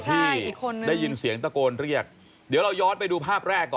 จังหวัดคุกข่าวรอฟึบ